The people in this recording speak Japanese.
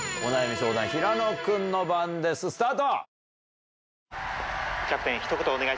相談平野君の番ですスタート！